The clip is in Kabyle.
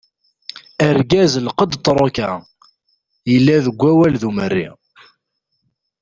Argaz lqedd tṛuka, yella deg awal d Umerri.